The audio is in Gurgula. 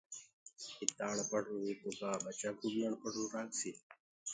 پتآ اڻپڙهرو هي تو ڪآٻچآ ڪو بي آڻپڙهرو رآکسي